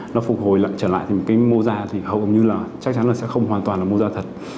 nó phục hồi lại trở lại thì cái mô da thì hầu như là chắc chắn là sẽ không hoàn toàn là mô da thật